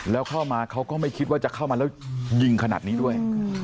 แล้วเข้ามาเขาก็ไม่คิดว่าจะเข้ามาแล้วยิงขนาดนี้ด้วย